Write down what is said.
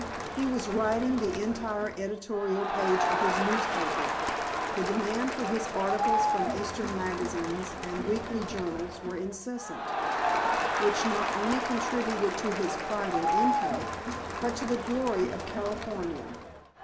He was writing the entire editorial page of his newspaper, the demand for his articles from Eastern magazines and weekly journals was incessant; which not only contributed to his pride and income, but to the glory of California.